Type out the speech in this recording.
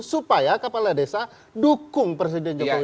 supaya kepala desa dukung presiden jokowi